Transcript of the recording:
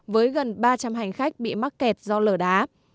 với gần ba trăm linh hành khách bị mắc kẹt do lở đá